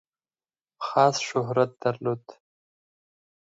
خاص شهرت درلود.